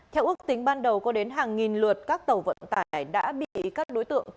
theo ước tính ban đầu có đến hàng nghìn lượt các tàu vận tải đã bị các đối tượng